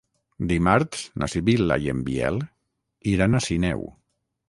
Dimarts na Sibil·la i en Biel iran a Sineu.